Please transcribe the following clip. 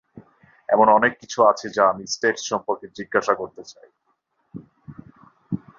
এমন অনেক কিছু আছে যা আমি স্টেটস সম্পর্কে জিজ্ঞাসা করতে চাই।